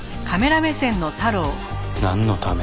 なんのために？